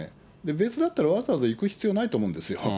別だったら、わざわざ行く必要ないと思うんですよ。